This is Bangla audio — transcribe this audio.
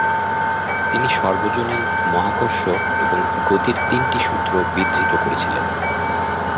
তিনি সর্বজনীন মহাকর্ষ এবং গতির তিনটি সূত্র বিধৃত করেছিলেন।